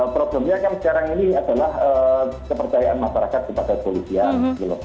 problemnya kan sekarang ini adalah kepercayaan masyarakat kepada polisian